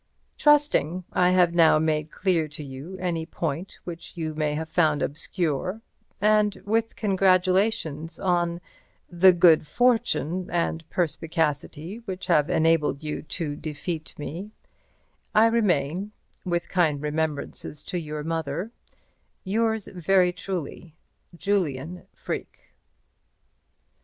Trusting I have now made clear to you any point which you may have found obscure, and with congratulations on the good fortune and perspicacity which have enabled you to defeat me, I remain, with kind remembrances to your mother, Yours very truly, JULIAN FREKE.